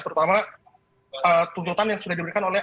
terutama tuntutan yang sudah diberikan oleh